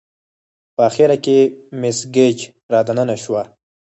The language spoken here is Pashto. په اخره کې مس ګېج را دننه شوه.